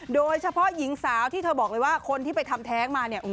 โดยเฉพาะหญิงสาวที่เธอบอกเลยว่าคนที่ไปทำแท้งมาเนี่ย